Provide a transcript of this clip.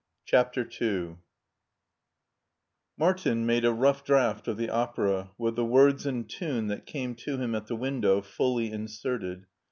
CHAPTER II MARTIN made a rough draft of the opera, with the words and tune that came to him at the window fully inserted.